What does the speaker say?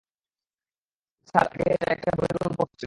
Sir, আগে এটা একটা বহির্গমন পথ ছিল।